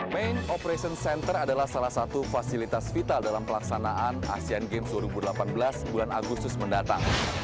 main operation center adalah salah satu fasilitas vital dalam pelaksanaan asean games dua ribu delapan belas bulan agustus mendatang